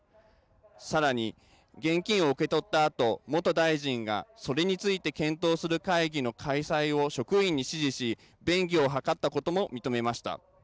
さらに現金を受け取ったあと元大臣がそれについて検討する会議の開催を職員に指示し便宜を図ったことも認めました。